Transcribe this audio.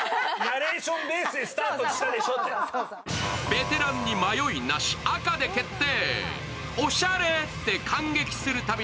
ベテランに迷いなし、赤で決定。